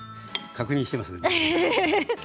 確認していますね。